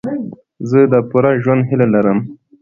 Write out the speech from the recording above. زه د پوره ژوند هیله لرم.